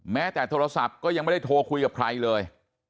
แม้แต่โทรศัพท์ก็ยังไม่ได้โทรคุยกับใครเลย